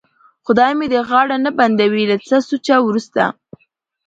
خدای مې دې غاړه نه بندوي، له څه سوچه وروسته.